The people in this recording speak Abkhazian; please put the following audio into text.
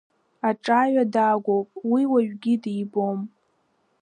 Аҿаҩа дагәоуп, уи уаҩгьы дибом.